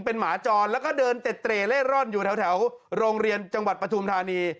เป็นหมาจรแล้วก็เดินเต็ดเตร่เล่ร่อนอยู่แถวโรงเรียนจังหวัดปฐุมธานี